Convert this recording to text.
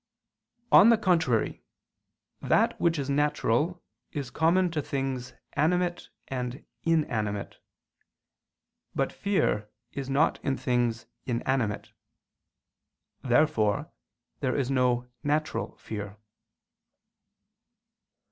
On the contrary, That which is natural is common to things animate and inanimate. But fear is not in things inanimate. Therefore there is no natural fear.